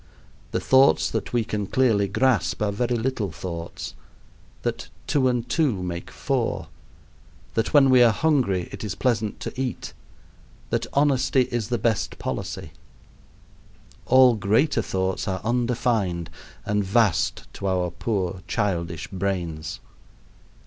The thoughts that we can clearly grasp are very little thoughts that two and two make four that when we are hungry it is pleasant to eat that honesty is the best policy; all greater thoughts are undefined and vast to our poor childish brains.